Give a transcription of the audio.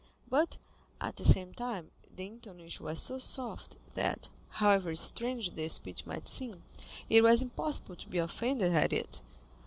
But, at the same time, the intonation was so soft that, however strange the speech might seem, it was impossible to be offended at it.